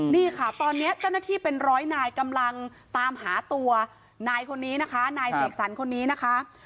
นี่ค่ะตอนนี้เจ้าหน้าที่เป็นร้อยนายกำลังตามหาตัวนายคนนี้นะคะนายเสกสรรคนนี้นะคะ